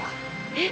えっ？